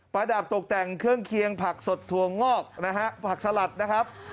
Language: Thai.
ระดับตกแต่งเครื่องเคียงผักสดถั่วงอกนะฮะผักสลัดนะครับ